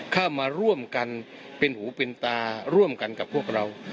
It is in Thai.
เข้ามาร่วมกันเป็นหูเป็นตาร่วมกันกับพวกเรา